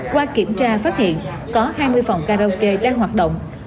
qua kiểm tra phát hiện có hai mươi phòng karaoke đang hoạt động